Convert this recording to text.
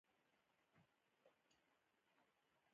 زه همېشه د خوښۍ احساس کوم.